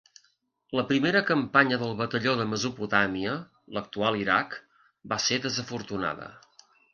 La primera campanya del Batalló a Mesopotàmia, l'actual Iraq, va ser desafortunada.